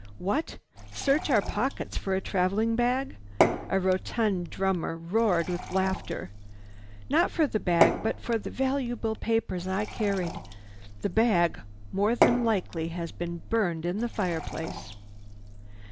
"What! Search our pockets for a traveling bag?" A rotund drummer roared with laughter. "Not for the bag, but for the valuable papers I carried. The bag, more than likely, has been burned in the fireplace."